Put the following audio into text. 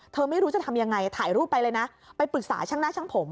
ไม่รู้จะทำยังไงถ่ายรูปไปเลยนะไปปรึกษาช่างหน้าช่างผม